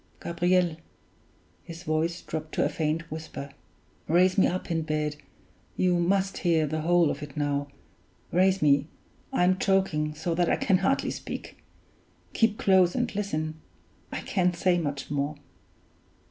Gabriel" (his voice dropped to a faint whisper), "raise me up in bed you must hear the whole of it now; raise me; I'm choking so that I can hardly speak. Keep close and listen I can't say much more.